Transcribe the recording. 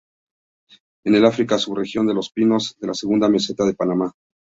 En el África sub-región de los pinos de la segunda meseta de Paraná.